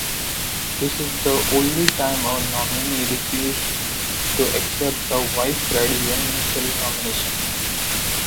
This is the only time a nominee refused to accept a vice-presidential nomination.